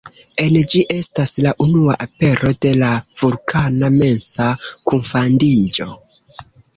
En ĝi estas la unua apero de la Vulkana mensa kunfandiĝo.